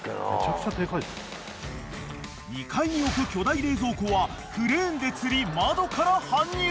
［２階に置く巨大冷蔵庫はクレーンでつり窓から搬入］